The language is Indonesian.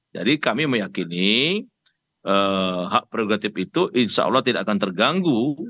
jadi kami meyakini hak prerogatif itu insya allah tidak akan terganggu